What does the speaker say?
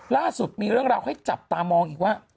ล่าสุดมีเรื่องราวให้จับตามองอีกว่า